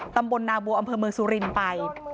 ตำบลนาบัวอำเภอเมืองสุรินทร์ไป